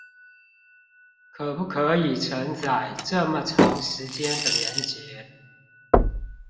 可不可以承載這麼長時間的連結